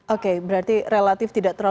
oke berarti relatif tidak terlalu